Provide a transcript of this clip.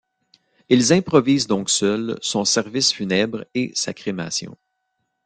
Ils improvisent donc seuls son service funèbre et sa crémation.